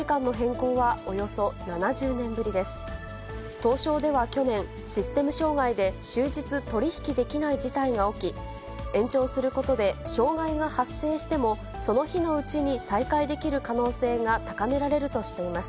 東証では去年、システム障害で終日取り引きできない事態が起き、延長することで、障害が発生しても、その日のうちに再開できる可能性が高められるとしています。